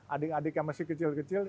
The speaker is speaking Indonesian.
adik adik yang masih kecil kecil